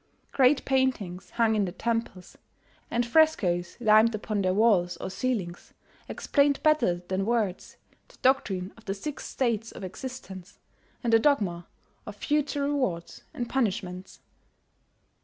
Great paintings hung in the temples, and frescoes limned upon their walls or ceilings, explained better than words the doctrine of the Six States of Existence, and the dogma of future rewards and punishments.